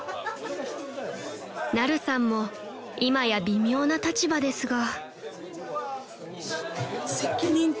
［ナルさんも今や微妙な立場ですが］